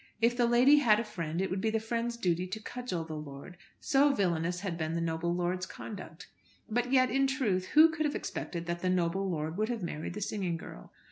If the lady had a friend, it would be the friend's duty to cudgel the lord, so villainous had been the noble lord's conduct. But yet, in truth, who could have expected that the noble lord would have married the singing girl?